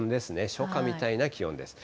初夏みたいな気温です。